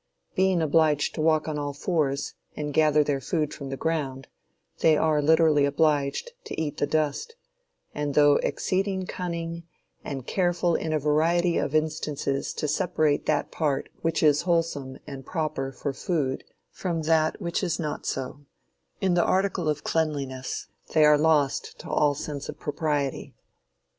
Being obliged to walk on all fours and gather their food from the ground, they are literally obliged to eat the dust; and though exceeding cunning, and careful in a variety of instances to separate that part which is wholesome and proper for food from that which is not so, in the article of cleanliness they are lost to all sense of propriety.